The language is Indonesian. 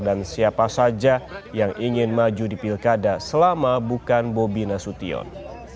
dan siapa saja yang ingin maju di pilkada selama bukan bobi nasution